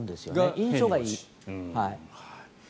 印象がいい。